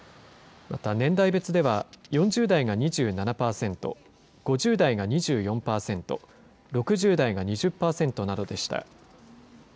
また年代別では、４０代が２７％、５０代が２４％、６０代が２０％などでした。